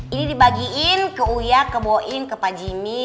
ini dibagiin ke uya ke boin ke pak jimmy